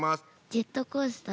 ジェットコースター。